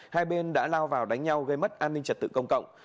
hai bên đã lao vào đánh nhau gây mất an ninh trật tự công cộng